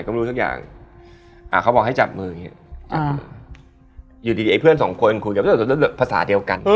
อารมณ์ดี